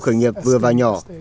khởi nghiệp vừa và nhỏ